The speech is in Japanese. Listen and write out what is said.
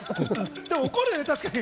怒るよね、確かに。